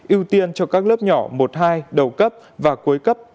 ưu tiên cho các lớp nhỏ một hai đầu cấp và cuối cấp